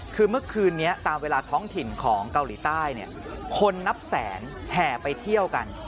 คือเมื่อคืนนี้ตามเวลาท้องถิ่นของเกาหลีใต้คนนับแสนแห่ไปเที่ยวกัน